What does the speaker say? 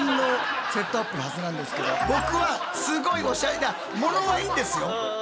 僕はすごいオシャレだものはいいんですよ。